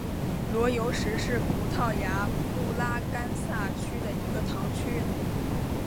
罗尤什是葡萄牙布拉干萨区的一个堂区。